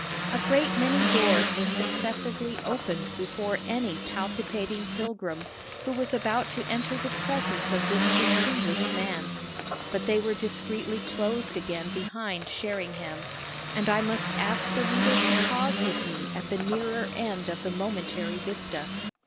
A great many doors were successively opened before any palpitating pilgrim who was about to enter the presence of this distinguished man; but they were discreetly closed again behind Sherringham, and I must ask the reader to pause with me at the nearer end of the momentary vista.